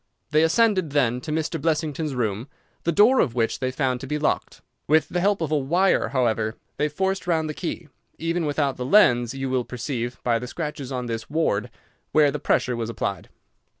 They ascended, then, to Mr. Blessington's room, the door of which they found to be locked. With the help of a wire, however, they forced round the key. Even without the lens you will perceive, by the scratches on this ward, where the pressure was applied.